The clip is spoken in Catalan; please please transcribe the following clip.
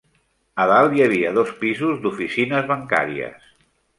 A dalt hi havia dos pisos d'oficines bancàries.